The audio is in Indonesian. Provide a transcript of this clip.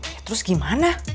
ya terus gimana